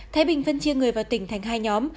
thái bình phân chia người vào tỉnh thành hai nhóm